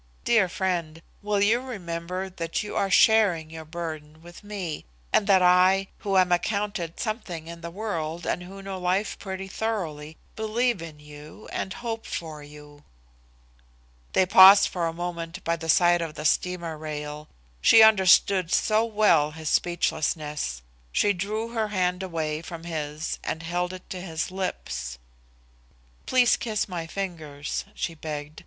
Dear friend, will you remember that you are sharing your burden with me, and that I, who am accounted something in the world and who know life pretty thoroughly, believe in you and hope for you." They paused for a moment by the side of the steamer rail. She understood so well his speechlessness. She drew her hand away from his and held it to his lips. "Please kiss my fingers," she begged.